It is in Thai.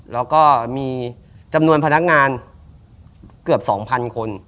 แล้วก็มีจำนวนพนักงานเกือบ๒๐๐๐คน